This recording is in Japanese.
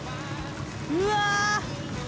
うわ！